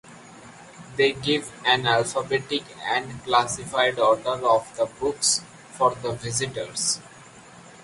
They give an alphabetic and classified order of the books for the visitors.